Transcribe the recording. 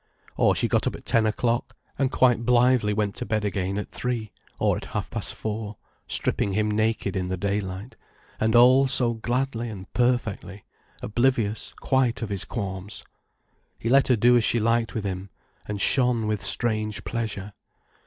Or she got up at ten o'clock, and quite blithely went to bed again at three, or at half past four, stripping him naked in the daylight, and all so gladly and perfectly, oblivious quite of his qualms. He let her do as she liked with him, and shone with strange pleasure.